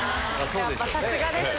やっぱさすがですね。